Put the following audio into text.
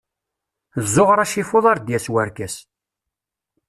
Zzuɣer acifuḍ ar d-yas warkas.